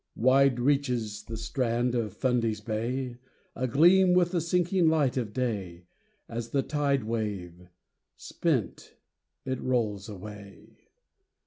Wide reaches the strand of Fundy's bay, A gleam with the sinking light of day, As the tide wave — spent — it rolls away.